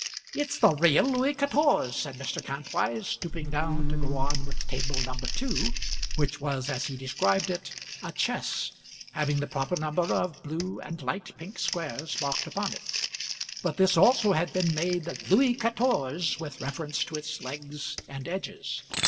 "It's the real Louey catorse," said Mr. Kantwise, stooping down to go on with table number two, which was, as he described it, a "chess," having the proper number of blue and light pink squares marked upon it; but this also had been made Louey catorse with reference to its legs and edges.